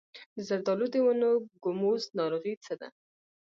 د زردالو د ونو ګوموز ناروغي څه ده؟